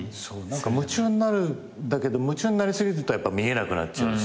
夢中になるんだけど夢中になりすぎると見えなくなっちゃうし。